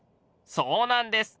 そうなんです。